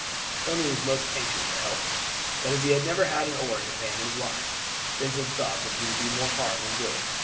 Tony was most anxious to help, but as he had never had an oar in his hand in his life, Vincent thought that he would do more harm than good.